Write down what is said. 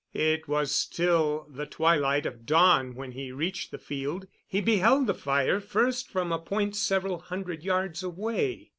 It was still the twilight of dawn when he reached the field. He beheld the fire first from a point several hundred yards away.